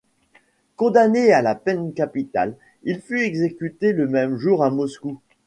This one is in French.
Condamné à la peine capitale, il fut exécuté le même jour à Moscou.